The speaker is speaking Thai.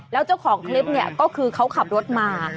แล้วเจ้าของคลิปเนี่ยก็คือเขาขับรถมา